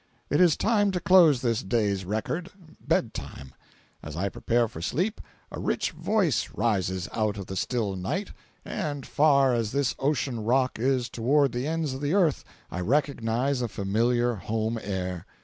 It is time to close this day's record—bed time. As I prepare for sleep, a rich voice rises out of the still night, and, far as this ocean rock is toward the ends of the earth, I recognize a familiar home air.